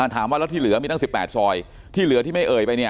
ถามว่าแล้วที่เหลือมีตั้ง๑๘ซอยที่เหลือที่ไม่เอ่ยไปเนี่ย